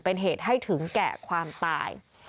เป็นเหตุให้ถึงแก่ความตาย